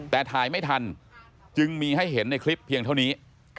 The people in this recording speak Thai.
แต่ถ่ายไม่ทันจึงมีให้เห็นในคลิปเพียงเท่านี้